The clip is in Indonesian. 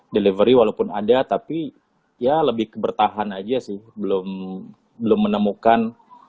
delivery walaupun ada tapi ya lebih ke bertahan aja sih belum belum menemukan